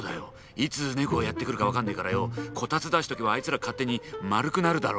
いつネコがやって来るか分かんねえからよコタツ出しとけばあいつら勝手に丸くなるだろ。